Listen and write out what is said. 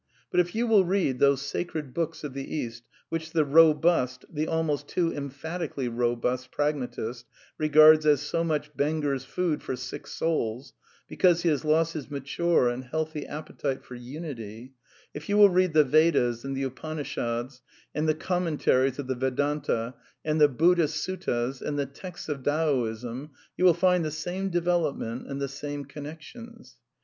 But if you will read those Sacred Books of the East which the robust (the ahnost too emphatically robust) pragmatist re gards as so much Benger's Food for sick souls, because he has lost his mature and healthy appetite for unity, if you will read the Vedas and the TJpanishads, and the commen taries of the Vedanta, and the Buddhist Suttas, and the Texts of Taoism, you will find the same development and the same connections.